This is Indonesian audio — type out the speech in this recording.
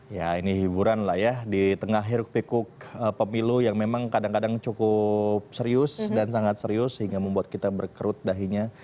ya ini hiburan lah ya di tengah hiruk pikuk pemilu yang memang kadang kadang cukup serius dan sangat serius sehingga membuat kita berkerut dahinya